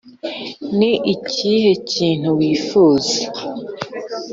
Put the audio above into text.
Ni ikihe kintu wifuza